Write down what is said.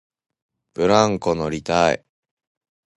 ブランコ乗りたい